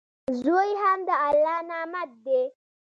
زوی هم د الله نعمت دئ.